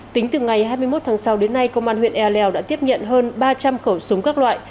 tính từ ngày hai mươi một tháng sáu đến nay công an huyện ea leo đã tiếp nhận hơn ba trăm linh khẩu súng các loại